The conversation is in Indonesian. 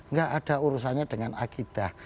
nggak ada urusannya dengan akidah